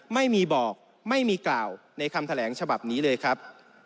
ไม่มีบอกไม่มีกล่าวในคำแถลงฉบับนี้เลยครับ